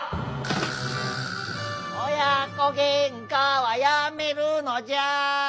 「おや子げんかはやめるのじゃ」